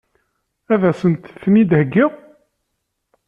Ad sent-ten-id-heggiɣ?